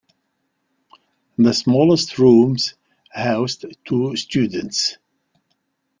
The smallest rooms housed two students.